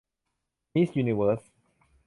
มิสยูนิเวิร์ส